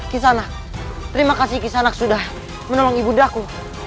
kisanak terima kasih kisanak sudah menolong ibu daku